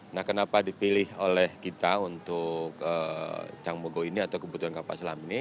nah kenapa dipilih oleh kita untuk cangbogo ini atau kebutuhan kapal selam ini